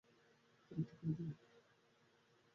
নতুন একটা কিনে দেব।